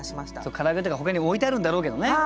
からあげとかほかに置いてあるんだろうけどね。